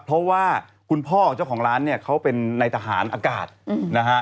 เพราะว่าคุณพ่อของเจ้าของร้านเนี่ยเขาเป็นในทหารอากาศนะฮะ